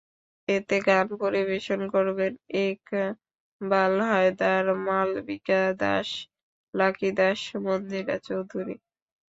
এতে গান পরিবেশন করবেন ইকবাল হায়দার, মালবিকা দাশ, লাকী দাশ, মন্দিরা চৌধুরী।